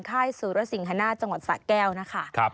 ค่ายศูนย์รสิงหนะจังหวัดสะแก้วนะคะ